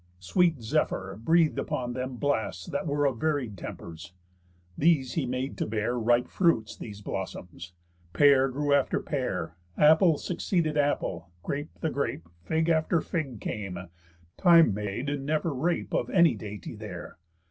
Sweet Zephyr breath'd upon them blasts that were Of varied tempers. These he made to bear Ripe fruits, these blossoms. Pear grew after pear, Apple succeeded apple, grape the grape, Fig after fig came; time made never rape Of any dainty there.